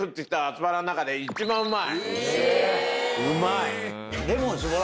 うまい。